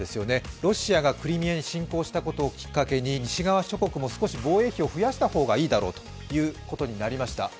ロシアがクリミアに侵攻したことをきっかけに、西側諸国も少し防衛費を増やした方がいいだろうということになりました。